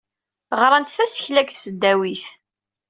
Ɣrant tasekla deg tesdawit.